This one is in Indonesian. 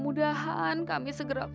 terima kasih ya bang